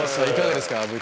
いかがですか？